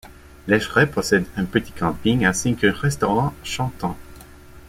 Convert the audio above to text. Lescheret possède un petit camping ainsi qu'un restaurant chantant.